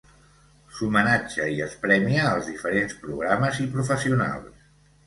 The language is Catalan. S'homenatja i es premia als diferents programes i professionals.